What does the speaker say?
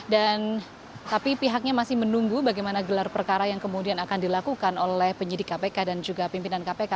dan tapi pihaknya masih menunggu bagaimana gelar perkara yang kemudian akan dilakukan oleh penyidik kpk dan juga pimpinan kpk